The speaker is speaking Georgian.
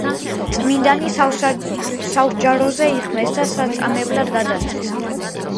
წმიდანი სამსჯავროზე იხმეს და საწამებლად გადასცეს.